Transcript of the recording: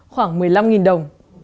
khoảng một mươi năm đồng